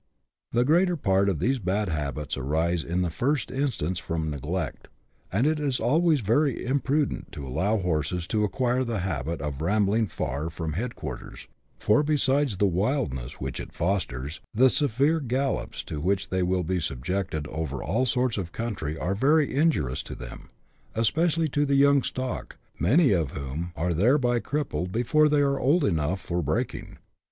The greater part of these bad habits arise in the first instance from neglect ; and it is always very imprudent to allow horses to acquire the habit of rambling far from head quarters, for, besides the wildness which it fosters, the severe gallops to which they will be subjected over all sorts of country are very injurious to them, especially to the young stock, many of whom are thereby crippled before they are old enough for breaking.